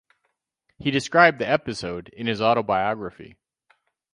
He described the episode in his autobiography.